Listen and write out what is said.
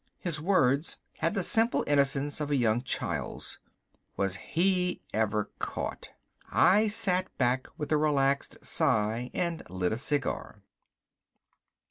His words had the simple innocence of a young child's. Was he ever caught. I sat back with a relaxed sigh and lit a cigar.